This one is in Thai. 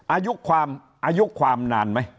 อายุความอายุความนานไหม